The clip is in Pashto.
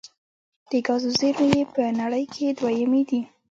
د ګازو زیرمې یې په نړۍ کې دویمې دي.